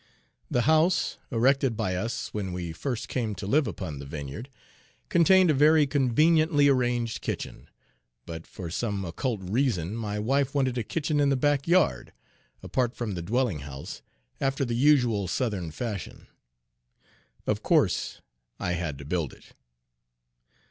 The house erected by us, when we first came to live upon the vineyard, contained a very conveniently arranged kitchen; but for some occult reason my wife wanted a kitchen in the back yard, apart from the Page 38 dwelling house, after the usual Southern fashion. Of course I had to build it.